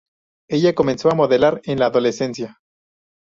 Ella comenzó a modelar en la adolescencia.